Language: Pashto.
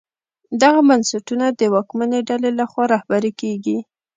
دغه بنسټونه د واکمنې ډلې لخوا رهبري کېږي.